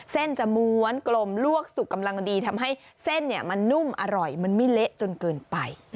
เส้นจะม้วนกลมลวกสุกกำลังดีทำให้เส้นมันนุ่มอร่อยมันไม่เละจนเกินไป